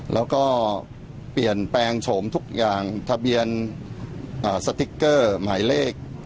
แล้วก็เปลี่ยนแปลงโฉมทุกอย่างทะเบียนสติ๊กเกอร์หมายเลข